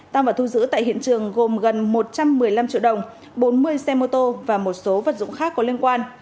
tăng vật thu giữ tại hiện trường gồm gần một trăm một mươi năm triệu đồng bốn mươi xe mô tô và một số vật dụng khác có liên quan